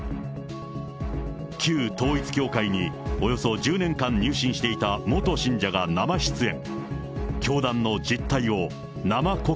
旧統一教会におよそ１０年間入信していた元信者が生出演。